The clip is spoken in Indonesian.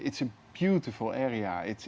itu adalah area yang indah